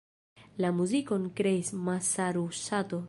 La muzikon kreis Masaru Sato.